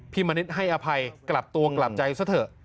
มณิษฐ์ให้อภัยกลับตัวกลับใจซะเถอะ